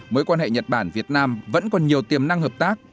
mối quan hệ nhật bản việt nam vẫn còn nhiều tiềm năng hợp tác